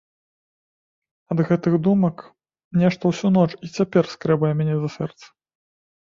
Ад гэтых думак нешта ўсю ноч і цяпер скрабе мяне за сэрца.